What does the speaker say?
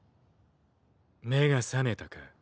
目が覚めたか？